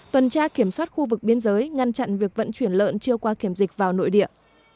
tuần tra kiểm soát khu vực biên giới ngăn chặn việc vận chuyển lợn chưa qua kiểm dịch vào nội địa